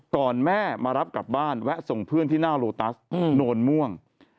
แม่มารับกลับบ้านแวะส่งเพื่อนที่หน้าโลตัสโนนม่วง